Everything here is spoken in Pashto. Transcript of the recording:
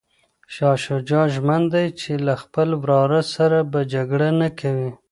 شاه شجاع ژمن دی چي له خپل وراره سره به جګړه نه کوي.